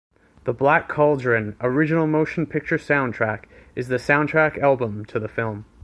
The Black Cauldron: Original Motion Picture Soundtrack is the soundtrack album to the film.